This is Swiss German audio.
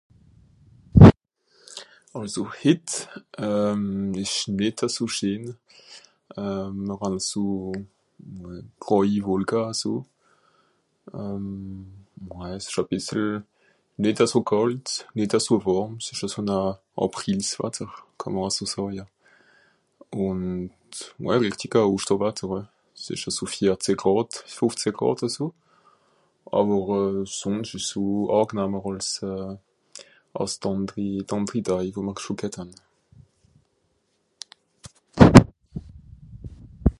àlso hìt esch nìt a so scheen euh noch àm so greuji wolka a so euh mouais s'esch à bìssel nìt à so kàlt nìt à so wàrm sé son'a àprilswatter kàmm'r à so seuje ùnd euh ouais rirtige osterwatter ouais s'esch a so vierzeh gràd fòfzeh gràd à so àwer euh sònscht à so angenahm als euh àss d'ànderi d'ànderi dai wie mr schò g'hett han